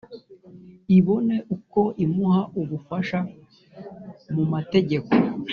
ibone uko imuha ubufasha mu mategeko